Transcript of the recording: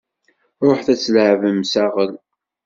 Ruḥet ad tleɛbem saɣel!